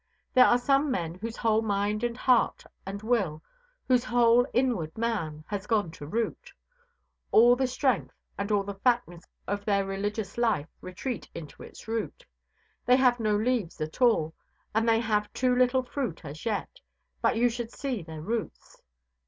There are some men whose whole mind and heart and will, whose whole inward man, has gone to root. All the strength and all the fatness of their religious life retreat into its root. They have no leaves at all, and they have too little fruit as yet; but you should see their roots.